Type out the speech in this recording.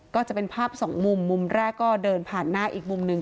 ก็จะเป็นภาพสองมุมมุมแรกก็เดินผ่านหน้าอีกมุมหนึ่ง